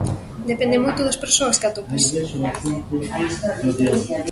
Depende moito das persoas que atopes.